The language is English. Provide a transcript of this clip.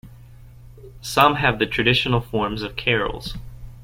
Some have the traditional forms of carols.